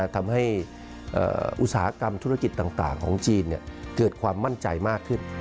ทำให้อุตสาหกรรมธุรกิจต่างของจีนเกิดความมั่นใจมากขึ้น